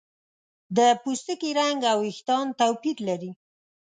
د پوستکي رنګ او ویښتان توپیر لري.